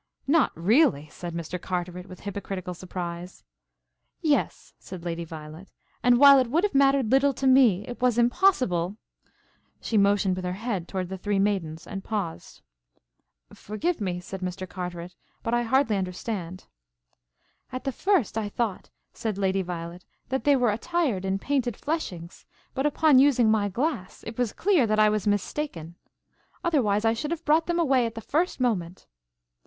"Not really!" said Mr. Carteret with hypocritical surprise. "Yes," said Lady Violet, "and while it would have mattered little to me, it was impossible " She motioned with her head toward the three maidens, and paused. "Forgive me," said Mr. Carteret, "but I hardly understand." "At the first I thought," said Lady Violet, "that they were attired in painted fleshings, but upon using my glass, it was clear that I was mistaken. Otherwise, I should have brought them away at the first moment."